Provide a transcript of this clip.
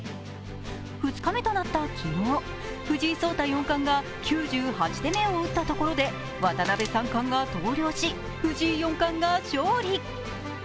２日目となった昨日、藤井聡太四冠が９８手目を打ったところで渡辺三冠が投了し、藤井四冠が勝利。